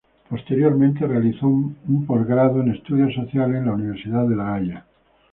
Posteriormente realizó un postgrado en Estudios Sociales en la Universidad de La Haya.